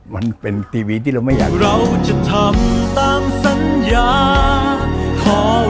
มันเป็นทีวีที่เราไม่อยาก